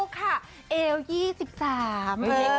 คุณดูค่ะเอว๒๓